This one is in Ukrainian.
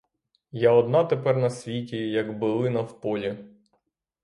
Я одна тепер на світі, як билина в полі.